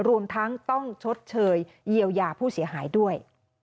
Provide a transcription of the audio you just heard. รวมทั้งต้องชดเชยเยียวยาผู้เสียหายด้วย